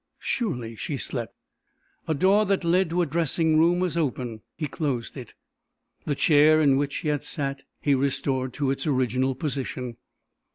Surely she slept. A door that led to a dressing room was open. He closed it. The chair in which he had sat he restored to its original position.